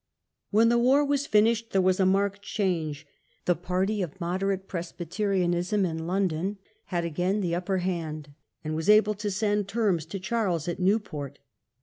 When the war was finished there was a marked change. The party of moderate Presbyterianism in London had again the upper hand, and was able to send Result of the terms to Charles at Newport.